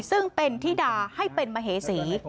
ซึ่งเป็นธิดาให้เป็นมเหสี